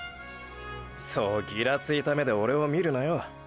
そうギラついた目でオレを見るなよ。